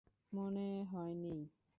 মনে হয় নেই।